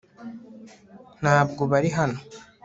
ntabwo bari hano